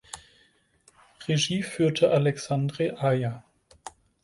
Regie führte Alexandre Aja.